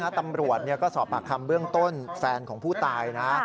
ตำรวจก็สอบปากคำเบื้องต้นแฟนของผู้ตายนะ